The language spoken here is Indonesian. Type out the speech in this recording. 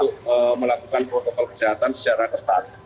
untuk melakukan protokol kesehatan secara ketat